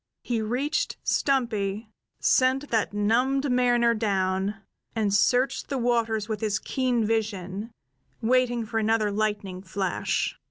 He reached Stumpy, sent that numbed mariner down, and searched the waters with his keen vision, waiting for another lightning flash.